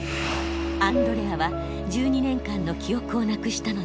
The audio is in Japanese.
アンドレアは１２年間の記憶をなくしたのです。